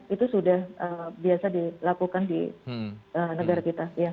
itu sudah biasa dilakukan di negara kita